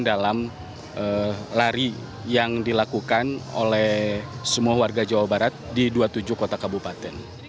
dalam lari yang dilakukan oleh semua warga jawa barat di dua puluh tujuh kota kabupaten